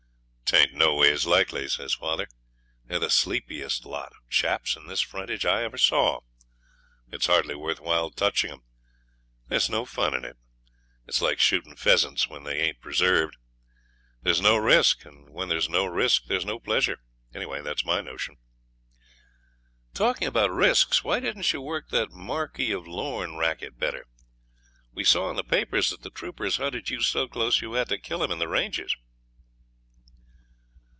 ''Tain't no ways likely,' says father. 'They're the sleepiest lot of chaps in this frontage I ever saw. It's hardly worth while "touching" them. There's no fun in it. It's like shooting pheasants when they ain't preserved. There's no risk, and when there's no risk there's no pleasure. Anyway that's my notion.' 'Talking about risks, why didn't you work that Marquis of Lorne racket better? We saw in the papers that the troopers hunted you so close you had to kill him in the ranges.'